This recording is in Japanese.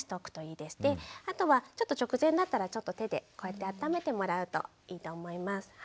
であとはちょっと直前になったらちょっと手でこうやってあっためてもらうといいと思います。